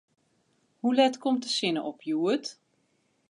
Hoe let komt de sinne op hjoed?